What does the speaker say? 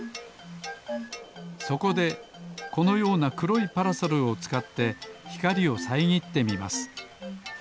そこでこのようなくろいパラソルをつかってひかりをさえぎってみます。